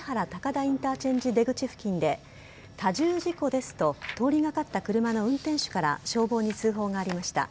インターチェンジ出口で多重事故ですと通りかかった車の運転手から消防に通報がありました。